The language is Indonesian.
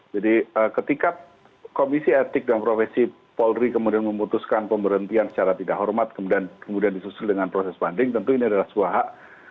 jadi ketika komisi etik dan profesi polri kemudian memutuskan pemberhentian secara tidak hormat kemudian disusul dengan proses banding tentu ini adalah sebuah hak